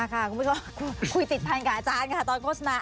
คุยติดทันกับอาจารย์ค่ะตอนโฆษณา